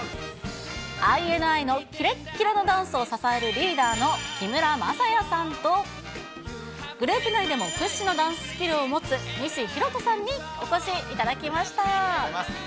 ＩＮＩのきれっきれのダンスを支えるリーダーの木村柾哉さんとグループ内でも屈指のダンススキルを持つ西洸人さんにお越しいただきました。